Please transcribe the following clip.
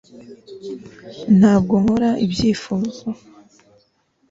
ntabwo nkora ibyifuzo